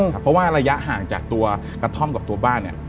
เพราะว่าระยะห่างจากตัวกระท่อมกับตัวบ้านเนี่ย